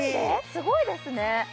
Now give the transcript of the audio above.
すごいですね